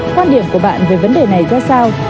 quan điểm của bạn về vấn đề này ra sao